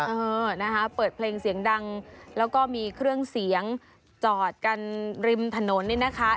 เออนะคะเปิดเพลงเสียงดังแล้วก็มีเครื่องเสียงจอดกันริมถนนนี่นะคะ